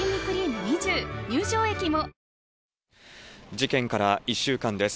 事件から１週間です。